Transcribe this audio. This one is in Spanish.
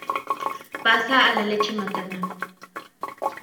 Pasa a la leche materna.